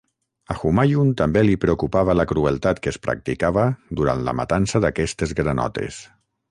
A Humayun també li preocupava la crueltat que es practicava durant la matança d'aquestes granotes.